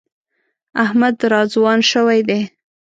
احمد را ځوان شوی دی.